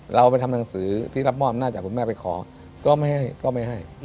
เราไปทำหนังสือที่รับมอบหน้าจากคุณแม่ไปขอก็ไม่ให้